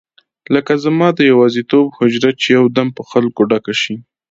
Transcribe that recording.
لکه زما د یوازیتوب حجره چې یو دم په خلکو ډکه شي.